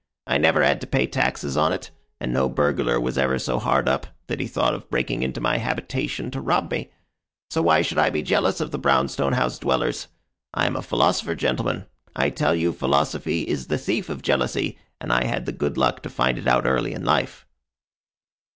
I never had to pay taxes on it, and no burglar was ever so hard up that he thought of breaking into my habitation to rob me. So why should I be jealous of the brownstone house dwellers? I am a philosopher, gentlemen. I tell you, philosophy is the thief of jealousy, and I had the good luck to find it out early in life."